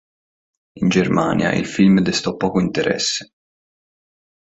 In Germania il film destò poco interesse.